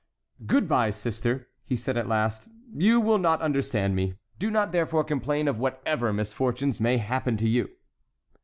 "Good by, sister!" he said at last. "You will not understand me; do not, therefore, complain of whatever misfortunes may happen to you."